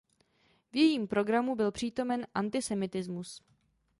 V jejím programu byl přítomen antisemitismus.